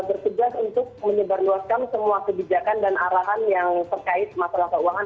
selain itu juga saya berkejuan untuk menyebarluaskan semua kebijakan dan arahan yang terkait masalah keuangan